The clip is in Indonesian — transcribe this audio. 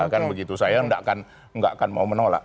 kan begitu saya nggak akan mau menolak